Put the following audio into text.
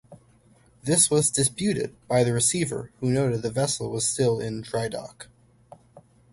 This was disputed by the receiver who noted the vessel was still in dry-dock.